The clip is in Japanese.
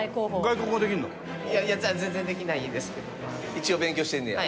一応勉強してんねや？